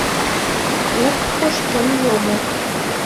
Лупс кошкен йомо.